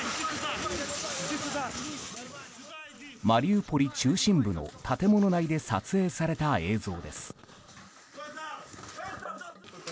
マリウポリ中心部の建物内で撮影された映像です。